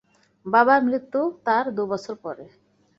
বাবার মৃত্যু তার দু বছর পরে।